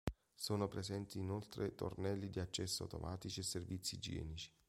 Sono presenti inoltre tornelli di accesso automatici e servizi igienici.